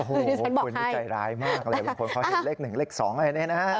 โอ้โฮคุณมีใจร้ายมากเลยบางคนขอเห็นเลข๑เลข๒ให้นี่นะ